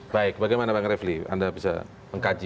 baik bagaimana bang refli anda bisa mengkaji